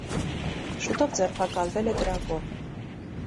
Շուտով ձերբակալվել է կրակողը։